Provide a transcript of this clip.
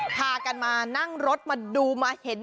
พากันมานั่งรถมาดูมาเห็น